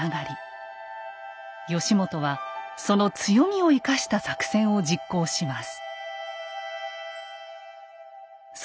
義元はその強みを生かした作戦を実行します。